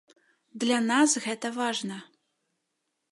Для нас гэта важна.